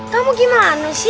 kamu gimana sih